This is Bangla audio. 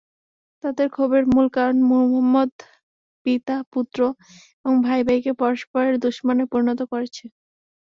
তাদের ক্ষোভের মূল কারণ, মুহাম্মাদ পিতা-পুত্র এবং ভাই-ভাইকে পরস্পরের দুশমনে পরিণত করেছে।